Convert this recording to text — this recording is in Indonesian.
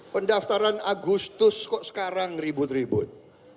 pendaftaran agustus kok sekarang ribut ribut